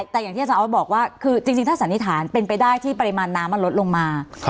แต่อย่างที่อาจารย์ออสบอกว่าคือจริงถ้าสันนิษฐานเป็นไปได้ที่ปริมาณน้ำมันลดลงมา